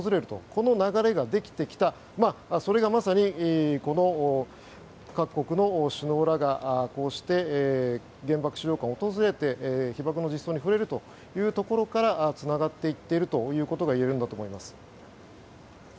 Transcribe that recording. この流れができてきたそれがまさにこの各国の首脳らがこうして原爆資料館を訪れて被爆の実相に触れるというところからつながっていっているということが言えるんだと思います。